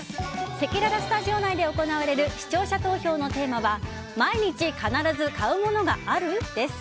せきららスタジオ内で行われる視聴者投票のテーマは毎日必ず買う物がある？です。